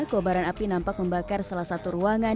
kobaran api nampak membakar salah satu ruangan